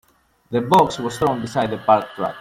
The box was thrown beside the parked truck.